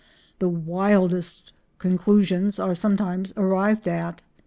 The wildest conclusions are sometimes arrived at.